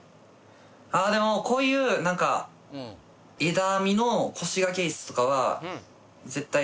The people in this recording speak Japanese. ああでもこういうなんか枝編みの腰掛けいすとかは。